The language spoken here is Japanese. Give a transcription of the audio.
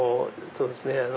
そうですね